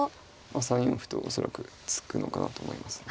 ３四歩と恐らく突くのかなと思いますね。